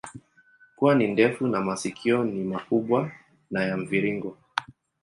Pua ni ndefu na masikio ni makubwa na ya mviringo.